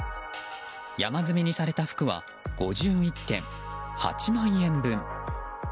山積みにされた服は５１点８万円分。